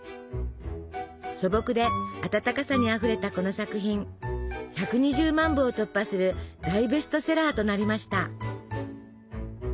素朴で温かさにあふれたこの作品１２０万部を突破する大ベストセラーとなりました。